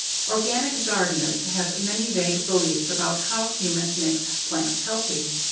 Organic gardeners have many vague beliefs about how humus makes plants healthy.